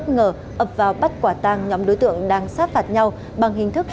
ngờ ập vào bắt quả tang nhóm đối tượng đang sát phạt nhau bằng hình thức